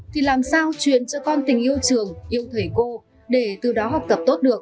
thì làm sao truyền cho con tình yêu trường yêu thầy cô để từ đó học tập tốt được